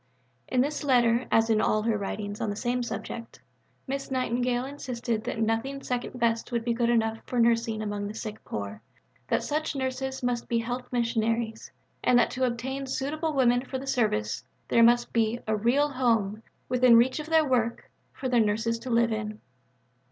In this letter, as in all her writings on the same subject, Miss Nightingale insisted that nothing second best would be good enough for nursing among the sick poor, that such nurses must be health missionaries, and that to obtain suitable women for the service there must be "a real home, within reach of their work, for the nurses to live in."